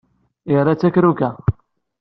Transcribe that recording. Ira takrura.